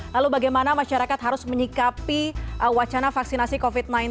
lalu bagaimana masyarakat harus menyikapi wacana vaksinasi covid sembilan belas